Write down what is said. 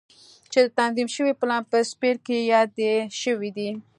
چې د تنظيم شوي پلان په څپرکي کې يادې شوې دي.